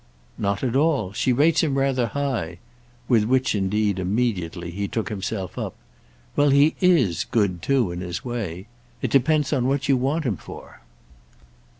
"Not at all. She rates him rather high." With which indeed, immediately, he took himself up. "Well, he is good too, in his way. It depends on what you want him for."